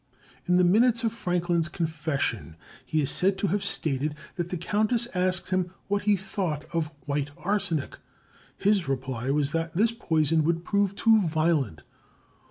In the minutes of Franklin's confession, he is said to have stated that the countess asked him what he thought of white arsenic. His reply was that this poison would prove too violent.